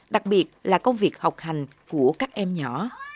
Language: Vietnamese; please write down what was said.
đặc biệt là công việc học hành của các em nhỏ